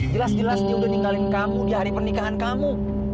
jelas jelas dia udah ninggalin kamu di hari pernikahan kamu